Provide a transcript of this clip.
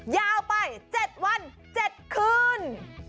ยาวไป๗วัน๗คืน